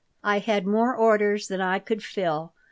I had more orders than I could fill.